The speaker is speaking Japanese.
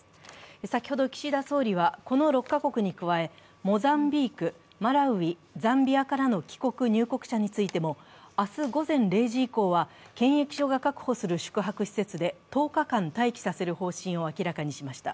先ほど岸田総理はこの６カ国に加えモザンビーク、マラウイ、ザンビアからの帰国・入国者についても明日午前０時以降は検疫所が確保する宿泊施設で１０日間待機させる方針を明らかにしました。